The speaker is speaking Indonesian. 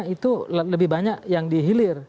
itu lebih banyak yang dihilir